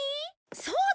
そうだ！